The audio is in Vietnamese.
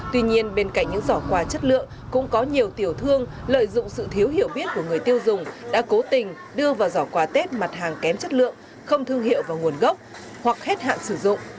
tuy nhiên bên cạnh những giỏ quà chất lượng cũng có nhiều tiểu thương lợi dụng sự thiếu hiểu biết của người tiêu dùng đã cố tình đưa vào giỏ quà tết mặt hàng kém chất lượng không thương hiệu và nguồn gốc hoặc hết hạn sử dụng